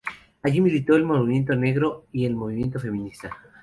Allí militó en el movimiento negro y el movimiento feminista.